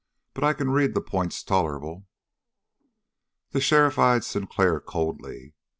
"But I can read the points tolerable." The sheriff eyed Sinclair coldly.